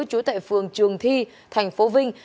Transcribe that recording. trú tại phường trường thi thành phố vinh